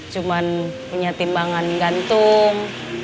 cuma punya timbangan gantung